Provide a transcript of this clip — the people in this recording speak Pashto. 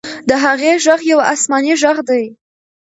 د هغې ږغ یو آسماني ږغ دی.